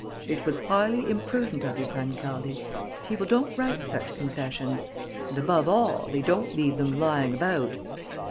It was highly imprudent of you, Pancaldi! People don't write such confessions! And, above all, they don't leave them lying about!